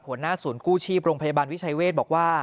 หัวหน้าศูนย์กู้ชีพโรงพยาบาลวิชัยเวทบอกว่า